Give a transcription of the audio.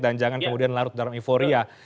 dan jangan kemudian larut dalam euforia